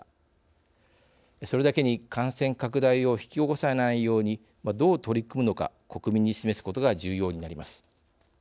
それだけに感染拡大を引き起こさないようにどう取り組むのか国民に示すことが重要になります。